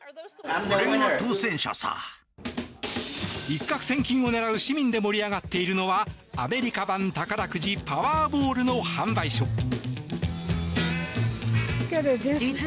一獲千金を狙う市民で盛り上がっているのはアメリカ版宝くじパワーボールの販売ショップ。